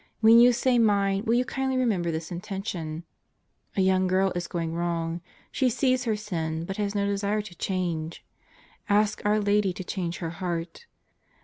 When you say mine will you kindly remember this intention: A young girl is going wrong. She sees her sin but has no desire to change. Ask our Lady to change her heart.